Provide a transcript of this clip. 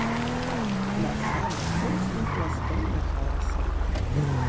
На сале тоўстым пластом ляжала соль.